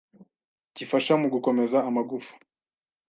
gifasha mu gukomeza amagufa